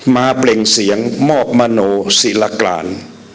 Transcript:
เปล่งเสียงมอบมโนศิลกราน